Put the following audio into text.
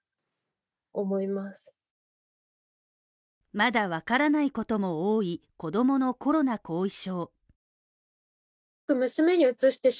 まだ分からないことも多い子供のコロナ後遺症。